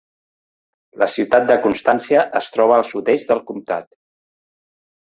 La ciutat de Constantia es troba al sud-est del comtat.